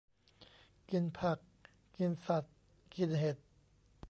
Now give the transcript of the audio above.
กินผัก กินสัตว์ กินเห็ด